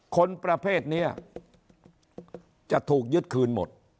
คนประเภทนี้จะถูกยึดคืนหมด